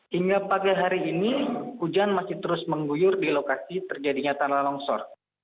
hingga pagi hari ini hujan masih terus mengguyur di lokasi terjadinya tanah longsor